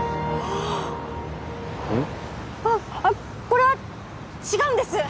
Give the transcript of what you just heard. あっこれは違うんです！